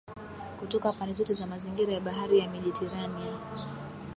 kutoka pande zote za mazingira ya Bahari ya Mediteranea